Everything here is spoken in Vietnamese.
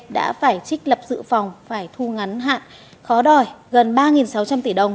đã phải trích lập dự phòng phải thu ngắn hạn khó đòi gần ba sáu trăm linh tỷ đồng